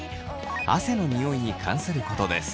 汗のニオイに関することです。